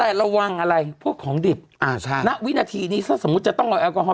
แต่ระวังอะไรพวกของดิบอ่าใช่ณวินาทีนี้ถ้าสมมุติจะต้องเอาแอลกอฮอล